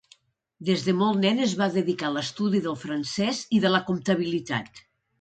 Des de molt nen es va dedicar a l'estudi del francès i de la comptabilitat.